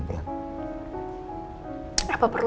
apa perlu aku jelasin